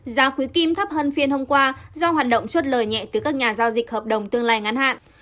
giá cuối kim thấp hơn phiên hôm qua do hoạt động chốt lời nhẹ từ các nhà giao dịch hợp đồng tương lai ngắn hạn